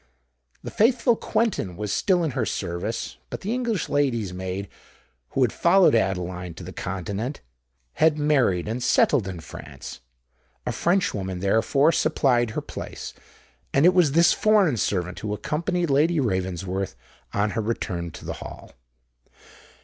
The faithful Quentin was still in her service; but the English lady's maid, who had followed Adeline to the Continent, had married and settled in France. A French woman, therefore, supplied her place; and it was this foreign servant who accompanied Lady Ravensworth on her return to the Hall.